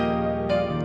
aku mau ke rumah